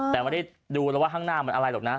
แต่ไม่ได้ดูแล้วว่าข้างหน้ามันอะไรหรอกนะ